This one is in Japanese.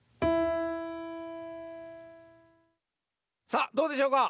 さあどうでしょうか？